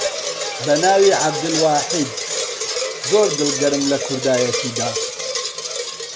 بە ناوی عەبدولواحید، زۆر دڵگەرم لە کوردایەتیدا